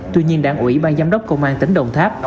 tuy nhiên đảng ủy ban giám đốc công an tỉnh đồng tháp